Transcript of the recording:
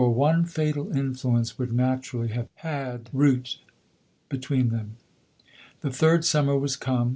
133 one fatal influence, would naturally have had root between them. The third summer was come.